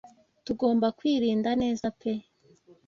Tugomba kwirinda neza pe.